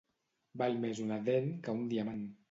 Val més una dent que un diamant.